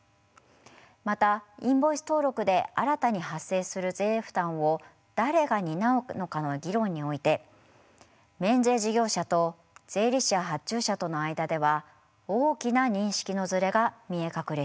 またインボイス登録で新たに発生する税負担を誰が担うのかの議論において免税事業者と税理士や発注者との間では大きな認識のズレが見え隠れしています。